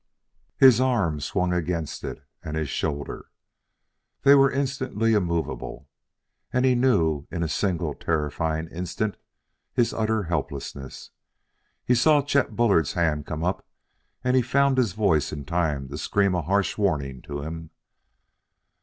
His arm swung against it, and his shoulder. They were instantly immovable. And he knew in a single terrifying instant his utter helplessness. He saw Chet Bullard's hands come up, and he found his voice in time to scream a harsh warning to him.